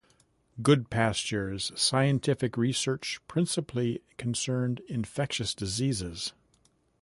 Goodpasture's scientific research principally concerned infectious diseases.